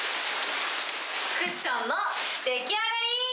クッションのでき上がり。